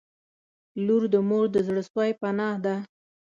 • لور د مور د زړسوي پناه ده.